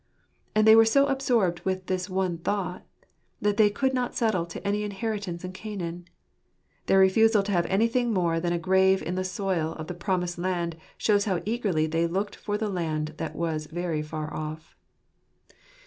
And they were so absorbed with this one thought, that they could not settle to any inheritance in Canaan. Their refusal to have anything more than a grave in the soil of the promised land shows how eagerly they looked for the land that was very far off.